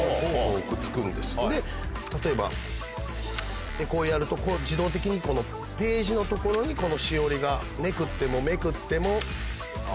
こうくっつくんですで例えばこうやると自動的にページのところにこのしおりがめくってもめくっても。